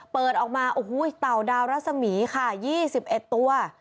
เปิดออกมาโอ้โหเต่าดาวรัศมีค่ะ๒๑ตัว